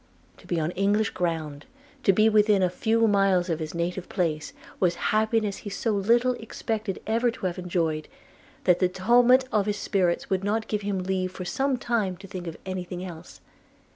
To be on English ground, to be within a few miles of his native place, was happiness he so little expected ever to have enjoyed, that the tumult of his spirits would not give him leave for some time to think of any thing else.